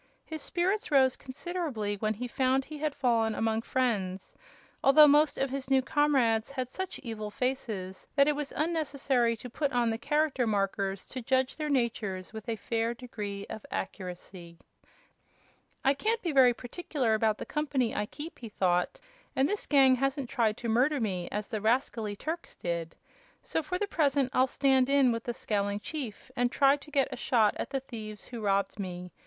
His spirits rose considerably when he found he had fallen among friends, although most of his new comrades had such evil faces that it was unnecessary to put on the Character Markers to judge their natures with a fair degree of accuracy. "I can't be very particular about the company I keep," he thought, "and this gang hasn't tried to murder me, as the rascally Turks did. So for the present I'll stand in with the scowling chief and try to get a shot at the thieves who robbed me.